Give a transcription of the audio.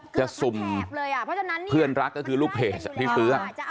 จะสุ่มเพื่อนรักก็คือลูกเพจที่ซื้อ